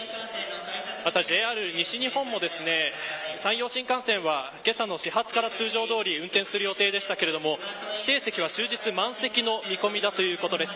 またＪＲ西日本も山陽新幹線はけさの始発から通常どおり運転の予定でしたが指定席は終日満席の見込みだということです。